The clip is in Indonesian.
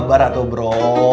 sabar atuh bro